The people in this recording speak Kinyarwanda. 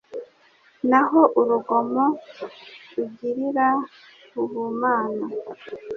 Naho urugomo rugirira ubumana